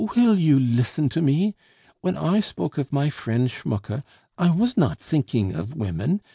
"Will you listen to me? When I spoke of my friend Schmucke, I was not thinking of women.